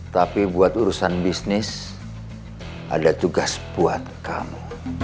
tapi buat urusan bisnis ada tugas buat kamu